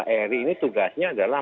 eri ini tugasnya adalah